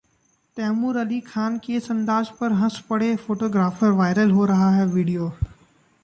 तैमूर अली खान के इस अंदाज पर हंस पड़े फोटोग्राफर, वायरल हो रहा वीडियो